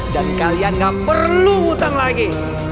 dan kalian gak perlu hutang lagi